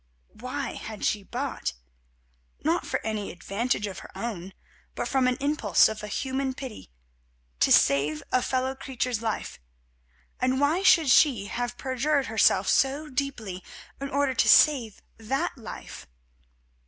Why had she bought? Not for any advantage of her own, but from an impulse of human pity—to save a fellow creature's life. And why should she have perjured herself so deeply in order to save that life?